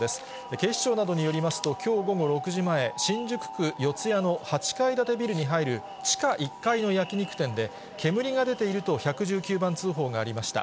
警視庁などによりますと、きょう午後６時前、新宿区四谷の８階建てビルに入る地下１階の焼き肉店で、煙が出ていると１１９番通報がありました。